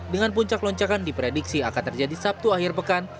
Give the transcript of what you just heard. dengan puncak loncakan diprediksi akan terjadi sabtu akhir pekan